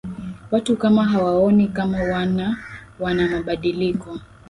watu kama hawaoni kama wana wanamabadiliko